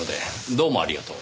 どうもありがとう。